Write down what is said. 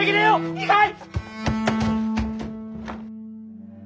いいかい！？